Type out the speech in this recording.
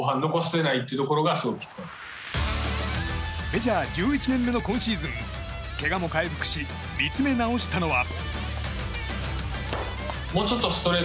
メジャー１１年目の今シーズンけがも回復し見つめ直したのは。